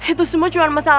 itu semua cuma masalah